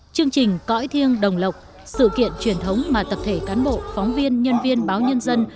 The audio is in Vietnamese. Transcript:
chương trình cõi thiêng đồng lộc sự kiện truyền thống mà tập thể cán bộ phóng viên nhân viên báo nhân dân